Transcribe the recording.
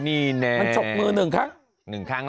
มันจกมือนึงครั้ง